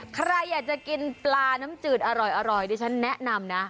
ใครอยากจะกินปลาน้ำจืดอร่อยดิฉันแนะนำนะ